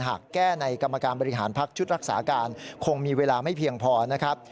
หากแก้ในกรรมการบริหารพักชุดรักษาการคงมีเวลาไม่เพียงพอนะครับ